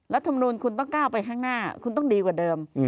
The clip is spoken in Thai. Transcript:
รัฐมนูลคุณต้องก้าวไปข้างหน้าคุณต้องดีกว่าเดิม